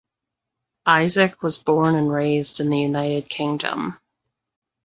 Isaak was born and raised in the United Kingdom.